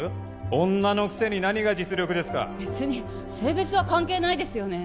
女のくせに何が実力ですか別に性別は関係ないですよね？